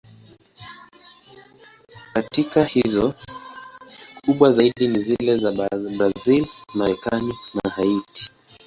Katika hizo, kubwa zaidi ni zile za Brazil, Marekani na Haiti.